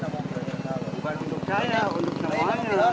bukan untuk saya untuk saya